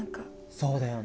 そうだよね。